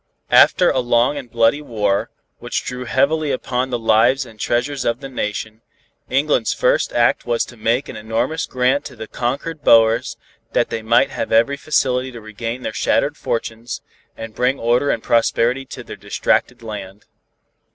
After a long and bloody war, which drew heavily upon the lives and treasures of the Nation, England's first act was to make an enormous grant to the conquered Boers, that they might have every facility to regain their shattered fortunes, and bring order and prosperity to their distracted land.